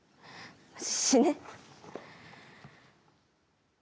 死ね。